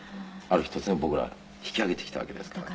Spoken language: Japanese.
ある日突然僕ら引き揚げてきたわけですから。